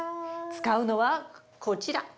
使うのはこちら。